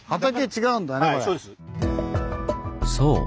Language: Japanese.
そう！